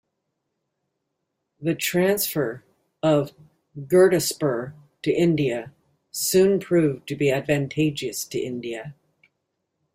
The transfer of Gurdaspur to India soon proved to be advantageous to India.